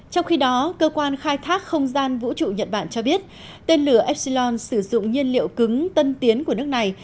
trong khi đó cơ quan khai thác không gian vũ trụ nhật bản cho biết tên lửa epsilon sử dụng nhiên liệu cứng tân tiến của nước này